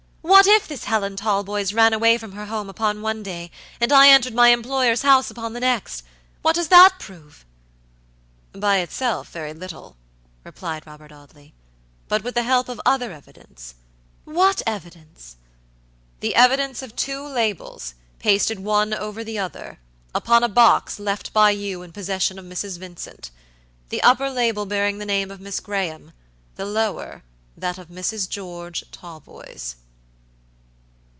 What if this Helen Talboys ran away from her home upon one day, and I entered my employer's house upon the next, what does that prove?" "By itself, very little," replied Robert Audley; "but with the help of other evidence" "What evidence?" "The evidence of two labels, pasted one over the other, upon a box left by you in possession of Mrs. Vincent, the upper label bearing the name of Miss Graham, the lower that of Mrs. George Talboys."